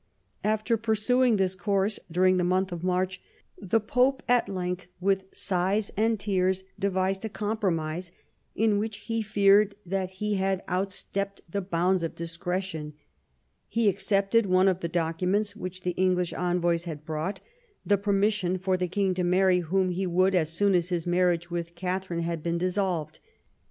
After pursuing this course during the month of March the Pope at length with sighs and tears devised a compromise, in which he feared that he had outstepped the bounds of discretion. He accepted one of the documents which the English envoys had brought, the permission for the king to marry whom he would as soon as his marriage with Katharine had been dissolved.